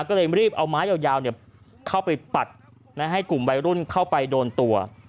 ก็เลยรีบเอาไม้ยาวเข้าไปปัดให้กลุ่มวัยรุ่นเข้าไปโดนตัว